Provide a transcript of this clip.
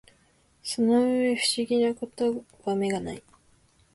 その上不思議な事は眼がない